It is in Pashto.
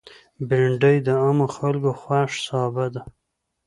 بېنډۍ د عامو خلکو خوښ سابه ده